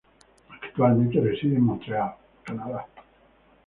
Actualmente reside en Montreal, Canadá.